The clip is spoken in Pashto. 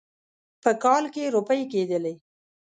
په کال کې روپۍ کېدلې.